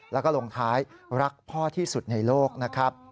แล้วก็ลงท้ายรักพ่อที่สุดในโลกนะครับ